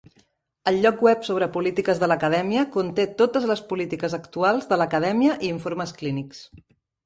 El lloc web sobre polítiques de l'acadèmia conté totes les polítiques actuals de l'acadèmia i informes clínics.